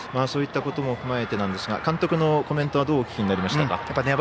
そういったことも踏まえて監督のコメントはどうお聞きになりましたか？